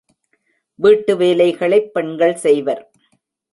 வீட்டு வேலைகளைப் பெண்கள் செய்வர்.